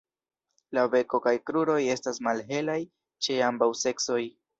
La beko kaj kruroj estas malhelaj ĉe ambaŭ seksoj.